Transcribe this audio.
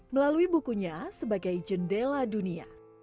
melalui bukunya sebagai jendela dunia